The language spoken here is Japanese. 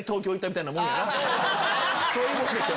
そういうことでしょ。